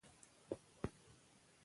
ماشوم له خپل پلار څخه مشوره واخیسته